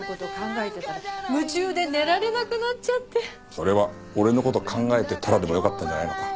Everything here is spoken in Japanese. それは「俺の事考えてたら」でもよかったんじゃないのか？